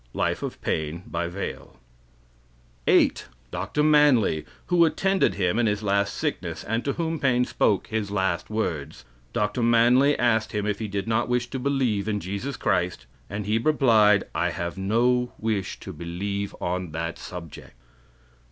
Life of Paine, by Vale. 8. Dr. Manly, who attended him in his last sickness, and to whom Paine spoke his last words. Dr. Manly asked him if he did not wish to believe in Jesus Christ. and he replied: "I have no wish to believe on that subject."